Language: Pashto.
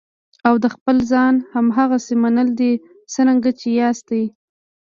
او د خپل ځان هماغسې منل دي څرنګه چې یاستئ.